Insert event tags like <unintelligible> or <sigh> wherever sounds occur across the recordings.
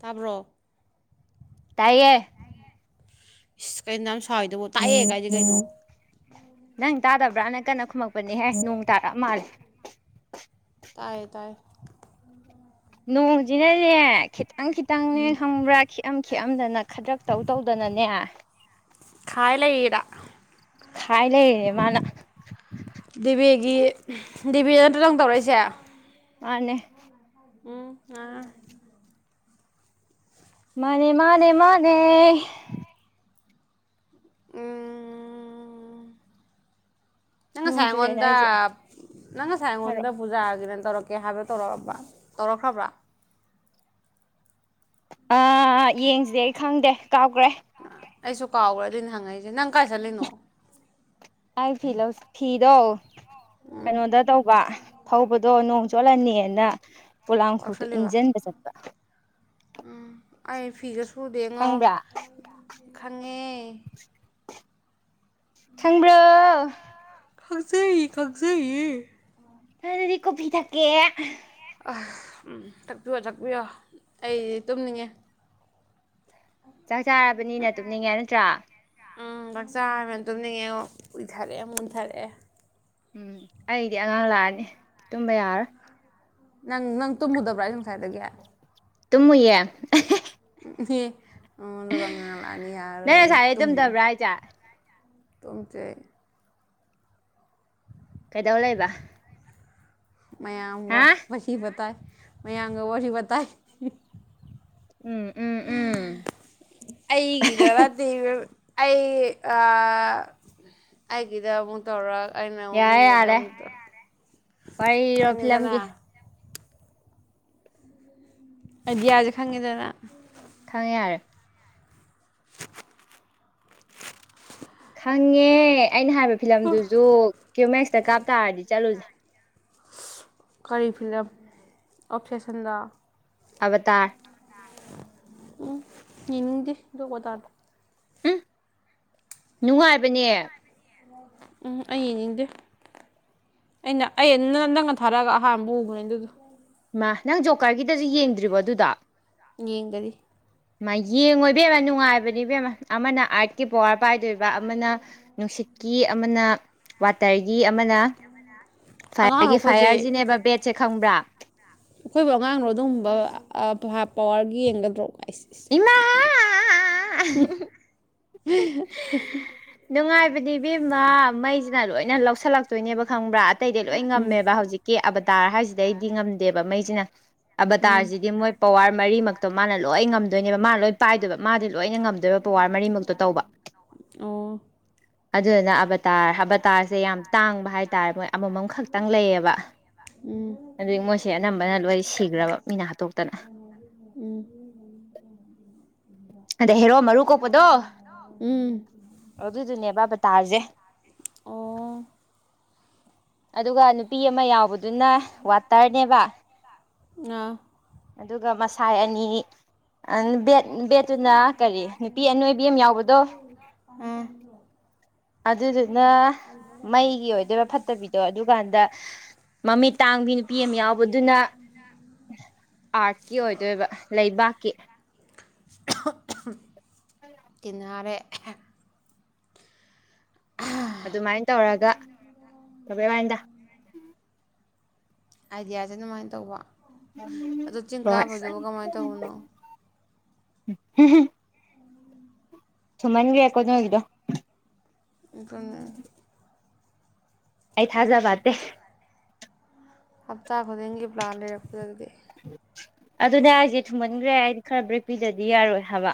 ꯇꯥꯕ꯭ꯔꯣ ꯇꯌꯦ ꯏꯁ ꯀꯩꯅꯣꯝ ꯁꯏꯗꯕꯨ ꯇꯥꯛꯑꯦ ꯀꯥꯏꯗꯤ ꯀꯩꯅꯣ ꯅꯪ ꯇꯥꯗꯕ꯭ꯔꯥꯅꯪ ꯀꯟꯅ ꯈꯨꯝꯃꯛꯄꯅꯤꯍꯦ ꯅꯣꯡ ꯇꯥꯔꯛꯑ ꯃꯥꯜꯂꯦ ꯇꯥꯏ ꯇꯥꯏ ꯅꯣꯡꯁꯤꯅꯅꯦ ꯈꯤꯇꯪ ꯈꯤꯇꯪꯅꯦ ꯈꯪꯕ꯭ꯔꯥ ꯈꯤꯛ ꯑꯝ ꯑꯝꯗꯅ ꯈꯗ꯭ꯔꯥꯛ ꯇꯧ ꯇꯧꯗꯅꯅꯦ ꯈꯥꯏ ꯂꯩꯔꯤꯔ ꯈꯥꯏ ꯂꯩꯔꯦ ꯃꯥꯅ ꯗꯤꯕꯦꯒꯤ ꯗꯤꯕꯦ ꯅꯠꯇ꯭ꯔꯥ ꯅꯪ ꯇꯧꯔꯛꯏꯁꯦ ꯃꯥꯅꯦ ꯎꯝ ꯑꯥ ꯃꯥꯅꯦ ꯃꯥꯅꯦ ꯃꯥꯅꯦ ꯎꯝ ꯅꯪ ꯉꯁꯥꯏ ꯅꯣꯡ ꯆꯨꯔꯦꯅ ꯑꯩꯉꯣꯟꯗ ꯑꯩꯁꯦ ꯅꯪ ꯉꯥꯁꯥꯏ ꯑꯩꯉꯣꯟꯗꯥ ꯍꯥꯏꯔꯛꯑꯣ ꯄꯨꯖꯥꯒꯤꯗ ꯇꯧꯔꯛꯀꯦ ꯍꯥꯏꯕꯣ ꯇꯧꯔꯛꯑꯕ꯭ꯔꯥ ꯇꯧꯔꯛꯈ꯭ꯔꯕ꯭ꯔꯥ ꯑꯥ ꯌꯦꯡꯁꯤꯗꯤ ꯑꯩ ꯈꯪꯗꯦ ꯀꯥꯎꯞꯈ꯭ꯔꯦ ꯑꯩꯁꯨ ꯀꯥꯎꯈ꯭ꯔꯦ ꯑꯗꯨꯅꯦ ꯍꯪꯉꯛꯏꯁꯦ ꯅꯪ ꯀꯥꯏ ꯆꯠꯂꯤꯅꯣ ꯑꯩ ꯐꯤ ꯂꯧ ꯐꯤꯗꯣ ꯎꯝ ꯀꯩꯅꯣꯗ ꯇꯧꯕ ꯐꯧꯕꯗꯣ ꯅꯣꯡ ꯆꯣꯠꯂꯅꯤꯅ ꯄꯣꯂꯥꯡꯈꯣꯛꯇ ꯂꯧꯁꯜꯂꯤꯕ ꯏꯟꯖꯤꯟꯕ ꯆꯠꯄ ꯎꯝ ꯑꯩ ꯐꯤꯒ ꯁꯨꯗꯦꯉꯣ ꯈꯪꯕ꯭ꯔꯥ ꯈꯪꯉꯦ ꯈꯪꯕ꯭ꯔꯣ ꯈꯪꯖꯩ ꯈꯪꯖꯩꯌꯦ ꯑꯗꯨꯗꯤ ꯀꯣꯐꯤ ꯊꯛꯀꯦ ꯑꯥ ꯎꯝ ꯇꯥꯛꯄꯤꯌꯣ ꯇꯥꯛꯄꯤꯌꯣ ꯑꯩꯗꯤ ꯇꯨꯝꯅꯤꯡꯉꯦ ꯆꯥꯛ ꯆꯥꯔꯕꯅꯤꯅ ꯇꯨꯞꯅꯤꯡꯉꯦ ꯅꯠꯇ꯭ꯔꯥ ꯎꯝ ꯆꯥꯛꯆꯥꯔꯃꯤꯅ ꯇꯨꯝꯅꯤꯡꯉꯦꯉꯣ ꯎꯏꯊꯔꯛꯑꯦ ꯃꯨꯟꯊꯔꯛꯑꯦ ꯎꯝ ꯑꯩꯗꯤ ꯑꯉꯥꯡ ꯂꯥꯛꯑꯅꯤ ꯇꯨꯝꯕ ꯌꯥꯔꯣꯏ ꯅꯪ ꯅꯪ ꯇꯨꯝꯃꯨꯗꯕ꯭ꯔꯥ ꯑꯩ ꯉꯁꯥꯏꯗꯒꯤ ꯇꯨꯝꯃꯨꯏꯌꯦ ꯏꯍꯦ ꯑꯣ ꯑꯗꯨꯒ ꯉꯥꯡ ꯂꯥꯛꯑꯅꯤ ꯅꯪ ꯌꯥꯔꯔꯣꯏ ꯉꯁꯥꯏꯗꯩ ꯇꯨꯝꯃꯨ ꯇꯨꯝꯗꯕ꯭ꯔꯥ ꯍꯥꯏꯁꯦ ꯇꯨꯝꯁꯦ ꯀꯩꯗꯧ ꯂꯩꯕ ꯃꯌꯥꯝꯒ ꯍꯥ ꯋꯥꯔꯤꯕꯇꯥꯏ ꯃꯌꯥꯝꯒ ꯋꯥꯔꯤꯕꯇꯥꯏ ꯎꯝ ꯎꯝ ꯎꯝ ꯑꯩꯒꯤꯗ ꯅꯠꯇꯦ ꯏꯕꯦꯝꯃꯥ ꯑꯩ ꯑꯩꯒꯤꯗ ꯑꯃꯨꯛ ꯇꯧꯔꯛ ꯌꯥꯔꯦ ꯌꯥꯔꯦ ꯍ ꯏꯔꯣ ꯈꯪꯉꯤꯗꯅ ꯐꯤꯂꯝꯒꯤ ꯑꯗꯤꯌꯥꯁꯦ ꯈꯪꯉꯤꯗꯅ ꯈꯪꯉꯦꯔꯦ ꯈꯪꯉꯦ ꯑꯩꯅ ꯍꯥꯏꯕ ꯐꯤꯂꯝꯗꯨꯁꯨ ꯀ꯭ꯌꯨꯃꯦꯛꯁꯇ ꯀꯥꯞꯇꯥꯥꯔꯗꯤ ꯆꯠꯂꯨꯁꯦ ꯀꯔꯤ ꯐꯤꯂꯝ ꯑꯣꯐꯐꯦꯁꯟꯗ ꯑ ꯇ ꯎꯝ ꯍꯗꯤꯗ ꯀ ꯇꯗ ꯎꯝ ꯅꯨꯡꯉꯥꯏꯕꯅꯦ ꯎꯝ ꯑꯩꯡ ꯅꯤꯡꯗꯦ ꯑꯩꯅ ꯑꯩ ꯅꯟꯗꯪꯅ ꯊꯥꯔꯛꯑꯒ ꯑꯍꯥꯟꯕ ꯎꯕꯅꯦ ꯑꯗꯨꯗꯣ ꯃꯥ ꯅꯪ ꯖꯣꯕꯀꯥꯔꯠꯒꯤꯗꯁꯨ ꯌꯦꯡꯗ꯭ꯔꯤꯕ ꯑꯗꯨꯗ ꯌꯦꯡꯒꯗꯤ ꯌꯦꯡꯉꯣꯏꯕꯦꯝꯅ ꯅꯨꯡꯉꯥꯏꯕꯅꯦꯕꯦꯝ ꯑꯃꯅ ꯑꯥꯔꯠꯀꯤ ꯄꯋꯥꯔ ꯄꯥꯏꯗꯣꯏꯕ ꯑꯃꯅ ꯅꯨꯡꯁꯤ ꯇꯤꯀꯤ ꯑꯃꯅ ꯋꯥꯇꯔꯒꯤ ꯒꯤ ꯑꯃꯅ ꯑꯉꯥꯡꯔꯣ ꯐꯒꯤ ꯑꯩꯈꯣꯏꯁꯦ ꯐꯌꯥꯔꯁꯤꯅꯦꯕ ꯕꯦꯠꯁꯦ ꯈꯪꯕ꯭ꯔꯥ ꯑꯩꯈꯣꯏꯕꯨ ꯑꯉꯥꯡꯗꯣ ꯑꯗꯨꯒꯨꯝꯕ ꯍꯥꯞ ꯑꯋꯥꯔꯒꯤ ꯌꯦꯡꯒꯗ꯭ꯔꯣ ꯏꯁ ꯏꯁ ꯏꯃꯥ ꯅꯨꯡꯉꯥꯏ ꯍꯥꯏꯕꯗꯤ ꯕꯤꯃ ꯃꯩꯁꯤꯅ ꯂꯣꯏꯅ ꯂꯧꯁꯤꯜꯂꯛꯇꯣꯏꯅꯦꯕ ꯈꯪꯕ꯭ꯔꯥ ꯑꯇꯩꯗꯤ ꯂꯣꯏ ꯎꯝ ꯉꯝꯃꯦꯕ ꯍꯧꯖꯤꯛꯀꯤ ꯇꯥꯔ ꯍꯥꯏꯁꯤꯗ ꯑꯩꯗꯤ ꯉꯝꯗꯦꯕ ꯃꯩꯁꯤꯅ ꯎꯝ ꯑꯕꯇꯥꯔꯁꯤꯗꯤ ꯃꯣꯏ ꯄꯋꯥꯔ ꯃꯔꯤꯃꯛꯇ ꯑꯣ ꯃꯥꯅ ꯂꯣꯏ ꯉꯝꯗꯣꯏꯅꯦꯕ ꯃꯥꯅ ꯂꯣꯏ ꯄꯥꯏꯗꯣꯏꯕ ꯃꯥꯗꯤ ꯂꯣꯏꯅ ꯉꯝꯗꯣꯏꯕ ꯄꯋꯥꯔ ꯃꯔꯤꯃꯛꯇꯣ ꯇꯧꯕ ꯑꯣ ꯑꯗꯨꯗꯨꯅ ꯑꯕꯇꯥꯔ ꯑꯕꯇꯥꯔꯁꯦ ꯌꯥꯝ ꯇꯥꯡꯕ ꯍꯥꯏꯇꯥꯔꯦ ꯃꯣꯏ ꯑꯃꯃꯝ ꯈꯛꯇꯪ ꯂꯩꯌꯦꯕ ꯎꯝ ꯑꯗꯨ ꯃꯣꯏꯁꯦ ꯑꯅꯝꯕꯅ ꯂꯣꯏ ꯁꯤꯈ꯭ꯔꯕ ꯃꯤꯅ ꯍꯥꯠꯇꯣꯛꯇꯅ ꯎꯝ ꯑꯗ ꯍꯦꯔꯣ ꯃꯔꯨ ꯀꯣꯛꯄꯗꯣ ꯎꯝ ꯑꯗꯨꯏꯗꯨꯅꯦꯕ ꯕꯥꯕ ꯇꯥꯔꯁꯦ ꯑꯣ ꯑꯗꯨꯒ ꯅꯨꯄꯤ ꯑꯃ ꯌꯥꯎꯕꯗ ꯑꯗꯨꯅ ꯋꯥꯇꯔꯅꯦꯕ ꯑꯥ ꯑꯗꯨꯒ ꯃꯁꯥꯏ ꯑꯅꯤ ꯑꯗꯨ ꯕꯦꯠꯇꯨꯅ ꯀꯔꯤ ꯅꯨꯄꯤ ꯑꯅꯣꯏꯕꯤ ꯑꯃ ꯌꯥꯎꯕꯗꯣ ꯎꯝ ꯑꯗꯨꯗꯨꯅ ꯃꯩꯒꯤ ꯑꯣꯏꯗꯕ ꯐꯠꯇꯕꯤꯗꯣ ꯑꯗꯨꯀꯥꯟꯗ ꯃꯃꯤꯠ ꯇꯥꯡꯕꯤ ꯅꯨꯄꯤ ꯑꯃ ꯌꯥꯎꯕ ꯑꯗꯨꯅ ꯑꯥꯔꯠꯀꯤ ꯑꯣꯏꯗꯣꯏꯕ ꯂꯩꯕꯥꯛꯀꯤ ꯀꯟꯅꯔꯦ ꯑꯗꯨꯃꯥꯏꯅ ꯇꯧꯔꯒ ꯇꯧꯦ ꯋꯥꯟꯗ ꯑꯥꯏꯗꯤꯌꯥꯁꯦ ꯑꯗꯨꯃꯥꯏꯅ ꯇꯧꯕ ꯑꯗꯣ ꯆꯤꯡ ꯀꯥꯕꯩꯗꯨꯕꯨ ꯀꯃꯥꯏꯅ ꯇꯧꯕꯅꯣ ꯍ ꯁꯨꯃꯟꯒ ꯌꯥꯀꯣꯏ ꯑꯗꯨ ꯑꯣꯏꯗꯣ ꯎꯝ ꯎ ꯑꯩ ꯍꯞ ꯊꯥꯖꯥꯕꯦ ꯍꯞꯇꯥ ꯈꯨꯗꯤꯡꯒꯤ ꯄ꯭ꯂꯥꯟ ꯂꯩꯔꯛꯄꯗꯤ ꯑꯗꯨꯅꯦ ꯑꯩꯁꯦ ꯊꯨꯝꯃꯟꯈ꯭ꯔꯦ ꯑꯩꯗꯤ ꯈꯔ ꯕ꯭ꯔꯦꯛ ꯄꯤꯗꯗꯤ ꯌꯥꯔꯣꯏ ꯍꯥꯏꯕ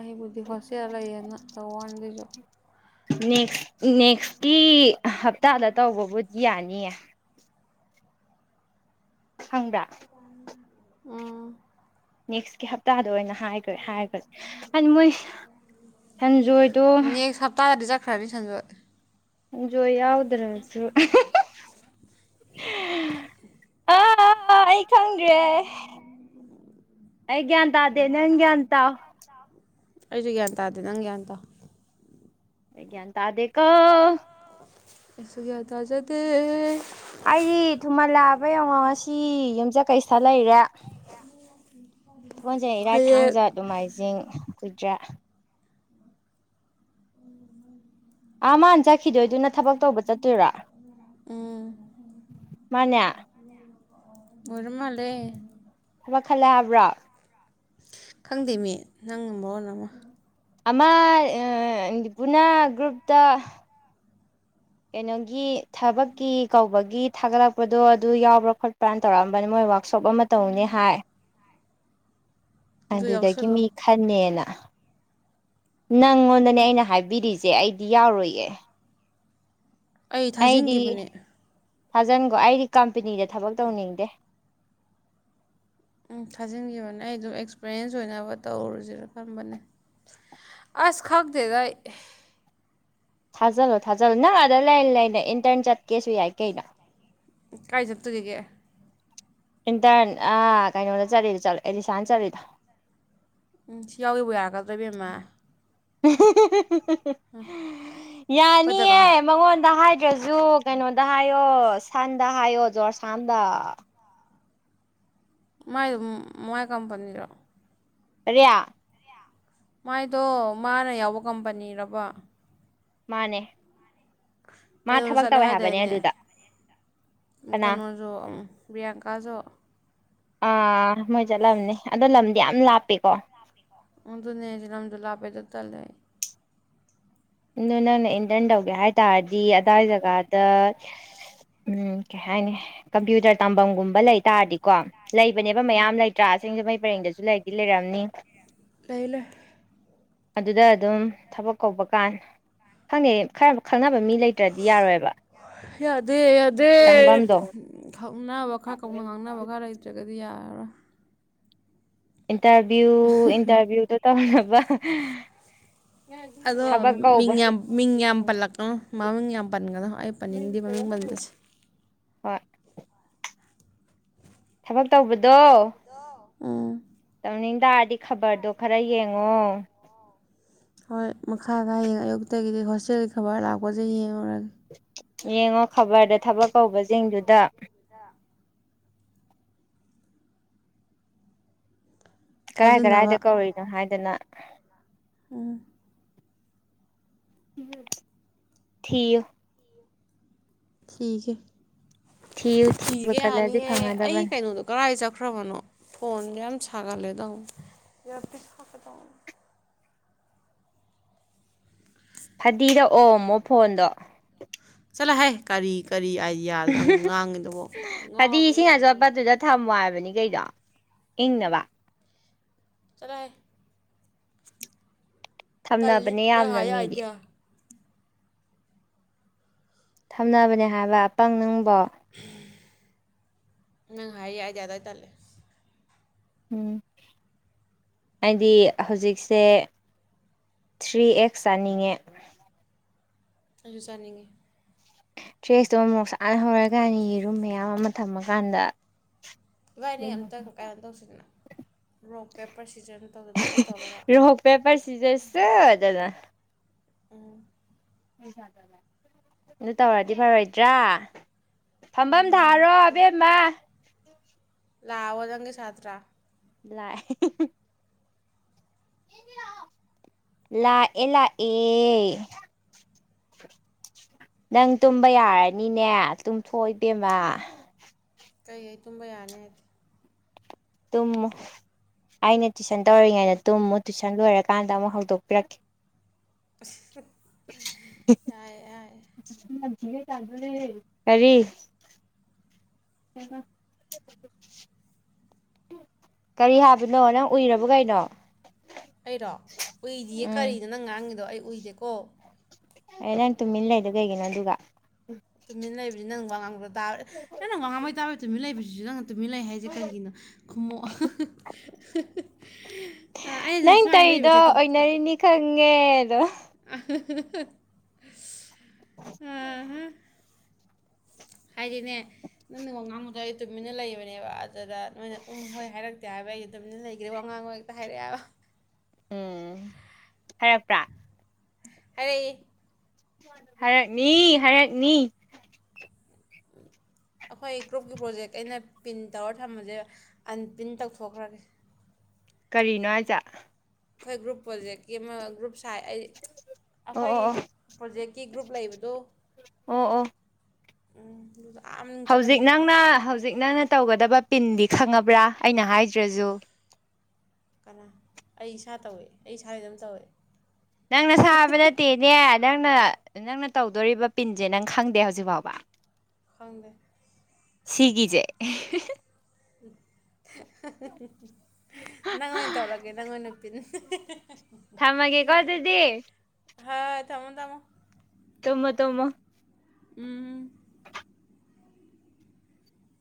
ꯑꯩꯕꯨꯗꯤ ꯍꯣꯠꯆꯦꯜ ꯂꯩꯌꯦꯦꯅ ꯇꯧꯅ ꯑꯗꯨꯁꯨ ꯅꯦꯛꯁ ꯅꯦꯛꯁꯀꯤ ꯍꯞꯇꯥꯗ ꯇꯧꯕꯕꯨꯗꯤ ꯌꯥꯅꯤꯌꯦ ꯈꯪꯕ꯭ꯔꯥ ꯎꯝ ꯅꯦꯛꯁꯀꯤ ꯍꯞꯇꯥꯗ ꯑꯣꯏꯅ ꯍꯥꯏꯈ꯭ꯔꯦ ꯍꯥꯏꯈ꯭ꯔꯦ ꯍꯥꯏꯗꯤ ꯃꯣꯏ ꯁꯟꯖꯣꯏꯗꯣ ꯈꯔꯥꯕꯤ ꯁꯟꯖꯠ ꯖꯣ ꯌꯥꯎꯗ꯭ꯔꯁꯨ ꯑꯥ ꯑꯩ ꯈꯪ꯭ꯔꯦ ꯑꯩ ꯇꯗꯦ ꯅꯪꯒꯇ ꯑꯩꯁꯨ ꯒ꯭ꯌꯥꯟ ꯇꯥꯗꯦ ꯅꯪ ꯒ꯭ꯌꯥꯟ ꯇꯥ ꯑꯩ ꯌꯥꯟ ꯇꯥꯗ ꯀꯣ ꯏꯁꯒꯌꯥ ꯇꯥꯖꯗ ꯑꯩꯗꯤ ꯊꯨꯝꯃꯟꯂꯥꯑꯕ ꯌꯦꯡꯉꯣ ꯉꯁꯤ ꯌꯨꯝꯆꯀꯩꯁꯤꯗ ꯂꯩꯔꯦ ꯎꯝ ꯁꯒꯣꯟꯖꯩ ꯏꯔꯥꯏ ꯊꯥꯡꯖ ꯅꯃꯥꯏꯖꯤꯡ ꯀꯨꯏꯗ꯭ꯔ ꯑꯥ ꯃꯥꯅ ꯆꯠꯈꯤꯗꯣꯏꯗꯨꯅ ꯊꯕꯛ ꯇꯧꯕ ꯆꯠꯇꯣꯏꯔꯥ ꯎꯝ ꯃꯅ ꯑꯣꯏꯔꯃ ꯂꯩꯦ ꯊꯕ ꯈꯜꯂ ꯍꯥꯏꯕ꯭ꯔꯥ ꯈꯪꯗꯦ ꯃꯤ ꯅꯪ ꯃꯔꯣꯟ ꯑꯃ ꯑꯃ ꯄꯨꯅꯥ ꯒ꯭ꯔꯨꯞꯇ ꯀꯩꯅꯣꯒꯤ ꯊꯕꯛꯀꯤ ꯀꯧꯕꯒꯤ ꯊꯥꯒꯠꯂꯛꯄꯗꯣ ꯑꯗꯨ ꯌꯥꯎꯕ꯭ꯔꯥ ꯈꯣꯠꯄ꯭ꯔꯥꯅ ꯇꯧꯔꯛꯑꯝꯕꯅꯤ ꯃꯣꯏ ꯋꯥꯛꯁꯣꯞ ꯑꯃ ꯇꯧꯅꯤ ꯍꯥꯏ ꯑꯗꯨ ꯑꯗꯨꯗꯒꯤ ꯌꯥꯎꯁꯜꯂꯣ ꯃꯤ ꯈꯟꯅꯦꯅ ꯅꯪꯉꯣꯟꯗꯅꯦ ꯑꯩꯅ ꯍꯥꯏꯕꯤꯔꯤꯁꯦ ꯑꯩꯗꯤ ꯌꯥꯎꯔꯣꯏꯌꯦ ꯑꯩ ꯊꯥꯖꯤꯟꯒꯤꯕꯅꯦ ꯊꯥꯖꯤꯟꯈꯣ ꯑꯩꯗꯤ ꯀꯝꯄꯦꯅꯤꯗ ꯊꯕꯛ ꯇꯧꯅꯤꯡꯗꯦ ꯎꯝ ꯊꯥꯖꯤꯟꯈꯤꯕꯅꯦ ꯑꯩ ꯑꯗꯨꯝ ꯑꯦꯛꯁꯄꯔꯤꯌꯦꯟꯁ ꯑꯣꯏꯅꯕ ꯇꯧꯔꯨꯖꯤꯔ ꯈꯟꯕꯅꯦ ꯑꯁ ꯈꯪꯗꯦꯗ ꯑꯩ ꯊꯥꯖꯜꯂꯣ ꯊꯥꯖꯜꯂꯣ ꯅꯪ ꯑꯗ ꯂꯩ ꯂꯩꯅ ꯏꯟꯇꯔꯟ ꯆꯠꯀꯦꯁꯨ ꯌꯥꯏ ꯀꯩꯅꯣ ꯀꯥꯏ ꯆꯠꯇꯣꯔꯤꯒꯦ ꯏꯟꯇꯔꯟ ꯑꯥ ꯀꯩꯅꯣꯗ ꯆꯠꯂꯤꯗꯣ ꯆꯠꯂꯣ ꯑꯦꯂꯤꯁꯥꯅ ꯆꯠꯂꯤꯗꯣ ꯎꯝ ꯁꯤ ꯌꯥꯎꯒꯦꯕꯨ ꯌꯥꯔꯛꯀꯗ꯭ꯔꯣ ꯏꯕꯦꯝꯃ ꯍꯨꯝ ꯍ ꯍ ꯍ ꯍ ꯍ ꯑꯩꯈꯣꯏꯗꯒ ꯌꯥꯅꯤꯌꯦ ꯃꯉꯣꯟꯗ ꯍꯥꯏ ꯇ꯭ꯔꯖꯨ ꯀꯩꯅꯣꯗ ꯍꯥꯏꯌꯣ ꯁꯥꯟꯗ ꯍꯥꯏꯌꯣ ꯖꯣꯔꯁꯥꯟꯗ ꯃꯥꯏꯗꯣ ꯃꯥꯏ ꯀꯝꯄꯅꯤ ꯔꯣ ꯑꯔꯦꯌꯥ ꯃꯥꯏꯗꯣ ꯃꯥꯅ ꯌꯥꯎꯕ ꯀꯝꯄꯅꯤꯔꯥꯕ ꯃꯥꯅꯦ ꯃꯥ ꯀꯩꯅꯣꯁꯨ ꯊꯕꯛ ꯆꯠꯂꯦ ꯇꯧꯋꯦ ꯍꯥꯏꯕꯅꯦ ꯍꯥꯏꯗꯥꯏꯅꯦ ꯑꯗꯨꯗ ꯀꯅꯥ ꯀꯩꯅꯣꯁꯨ ꯄ꯭ꯔꯤꯌꯥꯡꯀꯥꯖꯨ ꯑꯥ ꯃꯣꯏ ꯆꯠꯂꯝꯅꯤ ꯑꯗꯣ ꯂꯝꯗꯤ ꯌꯥꯝ ꯂꯥꯞꯄꯦꯀꯣ ꯑꯗꯨꯅꯦ ꯑꯩꯗꯤ ꯂꯝꯗꯨ ꯂꯥꯞꯄꯦ ꯑꯗꯣ ꯇꯜꯂꯦ ꯑꯩ ꯑꯗꯣ ꯅꯪꯅ ꯏꯟꯇꯔꯟ ꯇꯧꯒꯦ ꯍꯥꯏ ꯇꯥꯔꯗꯤ ꯑꯗꯥꯏ ꯖꯒꯥꯗ ꯎꯝ ꯀꯩ ꯍꯥꯏꯅꯤ ꯀꯝꯄ꯭ꯌꯨꯇꯔ ꯇꯝꯐꯝꯒꯨꯝꯕ ꯂꯩ ꯇꯥꯔꯗꯤꯀꯣ ꯂꯩꯕꯅꯦꯕ ꯃꯌꯥꯝ ꯂꯩꯇ꯭ꯔꯥ ꯁꯤꯡꯖꯃꯩ ꯄꯔꯦꯡꯗꯁꯨ ꯂꯩꯗꯤ ꯂꯩꯔꯝꯅꯤ ꯂꯩ ꯂꯩ ꯑꯗꯨꯗ ꯑꯗꯨꯝ ꯊꯕꯛ ꯀꯧꯕ ꯀꯥꯟ ꯈꯪꯗꯦ ꯈꯔ ꯈꯪꯅ ꯕ ꯃꯤ ꯂꯩꯇ꯭ꯔꯗꯤ ꯌꯥꯔꯣꯏꯑꯕ ꯌꯥꯗꯦ ꯌꯥꯗꯦ ꯈꯪꯅꯕ ꯈꯔ ꯀꯧꯅ ꯉꯥꯡꯅꯕ ꯈꯔ ꯂꯩꯇ꯭ꯔꯒꯗꯤ ꯑꯗꯨ ꯌꯥꯔꯔꯣꯏ ꯏꯟꯇꯔꯚꯤꯌꯨ ꯏꯟꯇꯔꯚꯤꯌꯨꯗꯣ ꯇꯧꯅꯕ ꯍꯍ ꯑꯗꯣ ꯃꯤꯡꯌꯥꯝ ꯃꯤꯡꯌꯥꯝ ꯄꯜꯂꯛꯀꯅꯣ ꯃꯥꯃꯤꯡ ꯌꯥꯝ ꯄꯟꯒꯅꯣ ꯑꯩ ꯄꯟꯅꯤꯡꯗꯦ ꯃꯃꯤꯡ ꯃꯟꯕꯁꯦ ꯍꯣꯏ ꯊꯕꯛ ꯇꯧꯕꯗꯣ ꯎꯝ ꯇꯧꯅꯤꯡ ꯇꯥꯔꯗꯤ ꯈꯕꯔꯗꯣ ꯈꯔ ꯌꯦꯡꯉꯣ ꯍꯣꯏ ꯃꯈꯥꯗꯥ ꯍꯌꯦꯡ ꯑꯌꯨꯛꯇꯒꯤꯗꯤ ꯍꯣꯁꯇꯦꯜꯒꯤ ꯈꯕꯔ ꯂꯥꯛꯄꯁꯦ ꯌꯦꯡꯉꯨꯔꯒꯦ ꯌꯦꯡꯉꯣ ꯈꯕꯔꯗ ꯊꯕꯛ ꯀꯧꯕꯖꯤꯡꯗꯨꯗ ꯀꯔꯥꯏ ꯊꯥꯖꯤꯟꯅꯕ ꯀꯔꯥꯏꯗ ꯀꯧꯔꯤꯅꯣ ꯍꯥꯏꯗꯅ ꯎꯝ ꯊꯤꯌꯨ ꯊꯤꯒꯦ ꯊꯤꯌꯨ ꯊꯤꯕ ꯊꯤꯒꯦ ꯌꯥꯅꯤ ꯀꯜꯂꯗꯤ ꯌꯦ ꯑꯩ ꯐꯪꯒꯗꯕꯅꯤ ꯀꯩꯅꯣꯗ ꯀꯔꯦꯏ ꯆꯠ ꯈ꯭ꯔꯕꯅꯣ ꯐꯣꯟꯖꯦ ꯌꯥꯝ ꯁꯥꯒꯠꯂꯦ ꯇꯧꯕ ꯏꯌꯔꯄꯤꯁ ꯍꯥꯞꯀꯦ ꯇꯧꯕ ꯐꯗꯤꯗ ꯑꯣꯝꯃꯣ ꯐꯣꯟꯗꯣ ꯆꯠꯂꯍꯩ ꯀꯔꯤ ꯀꯔꯤ ꯑꯥꯏꯗꯤꯌꯥ ꯅꯪ ꯉꯥꯡꯉꯤꯗꯨꯕꯣ ꯉꯥꯎꯔꯕꯣ ꯏꯕꯦꯃꯥ ꯅꯪꯕꯣ ꯗꯩꯗꯣ ꯏꯪꯅꯕ ꯆꯠꯂꯣꯍꯩ ꯇꯜꯂꯤ ꯊꯝꯅꯕꯅꯦ ꯅꯪ ꯌꯥꯝꯅ ꯍꯥꯏꯔꯤ ꯃꯤꯗꯤ ꯑꯥꯏꯗꯤꯌꯥ ꯊꯝꯅꯕꯅꯦ ꯍꯥꯏꯕ ꯑꯄꯪ ꯅꯪꯕꯣ ꯅꯪ ꯍꯥꯏꯔꯤ ꯑꯥꯏꯗꯤꯌꯥꯗꯣ ꯑꯩ ꯇꯜꯂꯦ ꯎꯝ ꯍꯥꯏꯗꯤ ꯍꯧꯖꯤꯛꯁꯦ ꯊ꯭ꯔꯤ ꯑꯦꯛꯁ ꯆꯥꯅꯤꯡꯉꯦ ꯑꯩꯖꯨ ꯆꯥꯅꯤꯡꯉꯤ ꯊ꯭ꯔꯤ ꯑꯦꯁꯇꯨ ꯑꯃ ꯃꯣꯔꯣꯛ ꯁꯥꯅ ꯍꯧꯔꯒ ꯌꯦꯔꯨꯝ ꯃꯌꯥꯝ ꯑꯃ ꯊꯝꯃꯀꯥꯟꯗ ꯏꯕꯥꯏꯅꯤ ꯑꯝꯇꯪ ꯀꯥꯏꯅꯣ ꯇꯧꯁꯤꯗꯅ ꯔꯣꯛ ꯄꯦꯄꯔ ꯁꯤ ꯔꯣꯍ ꯄꯦ ꯄꯔꯁꯤꯖꯁꯨ ꯎꯝ ꯑꯗꯨ ꯇꯧꯔꯗꯤ ꯐꯔꯣꯏꯗ꯭ꯔꯥ ꯐꯝꯐꯝ ꯎꯝ ꯊꯥꯔꯣ ꯑꯕꯦꯝꯃ ꯂꯋꯥꯑꯣ ꯅꯪꯒꯤ ꯁꯥꯇ꯭ꯔꯥ ꯂꯥꯏ ꯂꯥꯛ ꯑꯦ ꯂꯥꯛ ꯑꯦ <unintelligible> ꯅꯪ ꯇꯨꯝꯕ ꯌꯥꯔꯅꯤꯅꯦ ꯇꯨꯝꯊꯣꯛꯏꯕꯦꯝꯃ ꯀꯩ ꯑꯩ ꯇꯨꯝꯕ ꯌꯥꯅꯤ ꯍꯥꯏꯗꯤ ꯇꯨꯝ ꯑꯩꯅ ꯇꯨꯏꯁꯟ ꯇꯧꯔꯤꯉꯩꯗ ꯇꯨꯝꯃꯨ ꯇꯨꯏꯁꯟ ꯂꯣꯏꯔꯀꯥꯟꯗ ꯑꯃꯨꯛ ꯍꯧꯗꯣꯛꯄꯤꯔꯛꯀꯦ ꯌꯥꯏ ꯌꯥꯏ <unintelligible> ꯀꯔꯤ ꯎꯝ ꯀꯔꯤ ꯍꯥꯏꯕꯅꯣ ꯅꯪ ꯎꯏꯔꯕ ꯀꯩꯅꯣ ꯑꯩꯔꯣ ꯎꯏꯗꯤꯌꯦ ꯎꯝ ꯀꯔꯤꯅꯣ ꯅꯪ ꯉꯥꯡꯉꯤꯗꯣ ꯑꯩ ꯎꯏꯗꯦꯀꯣ ꯑꯩ ꯅꯪ ꯇꯨꯃꯤꯟ ꯂꯩꯗ ꯀꯩꯒꯤꯅꯣ ꯑꯗꯨꯒ ꯇꯨꯃꯤꯟ ꯂꯩꯕꯁꯤꯅ ꯅꯪ ꯋꯥ ꯉꯥꯡꯕꯗ ꯇꯥꯔꯦ ꯅꯪ ꯋꯥ ꯉꯥꯡꯕꯩ ꯇꯥꯔꯦ ꯇꯨꯃꯤꯟ ꯂꯩꯕꯁꯤꯁꯨ ꯅꯪ ꯇꯨꯃꯤꯟ ꯂꯩ ꯍꯥꯏꯁꯦ ꯀꯔꯤꯒꯤꯅꯣ ꯈꯃꯣꯛ ꯅꯪ ꯇꯩꯗꯣ ꯑꯣꯏꯅꯔꯤꯅꯤ ꯈꯪꯉꯦ ꯑꯗꯣ ꯑ <unintelligible> ꯍꯥꯏꯗꯤꯅꯦ ꯅꯪꯅ ꯋꯥꯉꯥꯡ ꯃꯈꯩ ꯇꯨꯃꯤꯟꯅ ꯂꯩꯕꯅꯦꯕ ꯑꯗꯨꯗ ꯅꯣꯏꯅ ꯎꯪ ꯍꯣꯏ ꯍꯥꯏꯔꯛꯇꯦ ꯍꯥꯏꯕ ꯑꯩ ꯑꯗꯨꯝ ꯂꯩꯈ꯭ꯔꯦ ꯋꯥꯉꯥꯡ ꯍꯦꯛꯇ ꯍꯥꯏꯔꯛꯑꯦꯕ ꯎꯝ ꯍꯥꯏꯔꯛꯄ꯭ꯔꯥ ꯍꯥꯔꯏ ꯍꯥꯏꯔꯠꯅꯤ ꯍꯥꯏꯔꯠꯅꯤ ꯑꯩꯈꯣꯏ ꯒ꯭ꯔꯨꯞꯀꯤ ꯄ꯭ꯔꯣꯖꯦꯛ ꯑꯩꯅ ꯄꯤꯟ ꯇꯧꯔ ꯊꯝꯕꯁꯦ ꯑꯟꯄ꯭ꯔꯤꯟ ꯇꯧꯊꯣꯛꯈ꯭ꯔꯒꯦ ꯀꯔꯤꯅꯣ ꯍꯥꯏꯖꯠ ꯑꯩꯈꯣꯏ ꯒ꯭ꯔꯨꯞ ꯄꯣꯖꯦꯛꯀꯤ ꯭ꯔꯨꯞ ꯁꯥꯏ ꯑꯩ ꯑꯩꯈꯣꯏꯒꯤ ꯑꯣ ꯑꯣ ꯄ꯭ꯔꯣꯖꯦꯛꯀꯤ ꯒ꯭ꯔꯨꯞ ꯂꯩꯕꯗꯨ ꯑꯣ ꯑꯣ ꯎꯝ ꯑꯗꯨ ꯍꯧꯖꯤꯛ ꯅꯪꯅ ꯍꯧꯖꯤꯛ ꯅꯪꯅ ꯇꯧꯒꯗꯕ ꯄꯤꯟꯗꯤ ꯈꯪꯉꯕ꯭ꯔꯥ ꯑꯩꯅ ꯍꯥꯏꯗ꯭ꯔꯁꯨ ꯀꯅꯥ ꯑꯩ ꯏꯁꯥ ꯇꯧꯏꯦ ꯑꯩ ꯏꯁꯥꯗ ꯑꯗꯨꯝ ꯇꯧꯋꯦ ꯅꯪꯅ ꯁꯥꯕ ꯅꯠꯇꯦꯅꯦ ꯅꯪꯅ ꯅꯪꯅ ꯇꯧꯗꯣꯔꯤꯕ ꯄꯤꯟꯁꯦ ꯅꯪ ꯈꯪꯗꯦ ꯍꯧꯖꯤꯛ ꯐꯥꯎꯕ ꯐꯪꯗꯦ ꯁꯤꯒꯤꯖꯦ <inaudible> ꯅꯪ ꯑꯣꯏꯅ ꯇꯧꯔꯒꯦ ꯅꯪ ꯅꯨꯄꯤ ꯊꯝꯃꯒꯦ ꯀꯗꯗꯤ ꯍ ꯏ ꯊꯃꯣꯗꯃ ꯇꯃ ꯇꯣꯃ ꯎꯝ